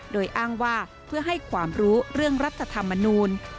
โดยอ้างว่าเพื่อให้ความรู้เรื่องรัฐธรรมนูล